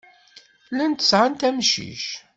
Llant sɛant amcic.